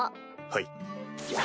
はい。